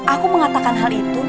aku mengatakan hal itu